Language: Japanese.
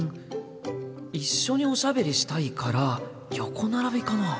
一緒におしゃべりしたいから横並びかな。